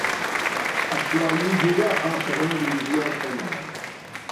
Actualment juga a la segona divisió espanyola.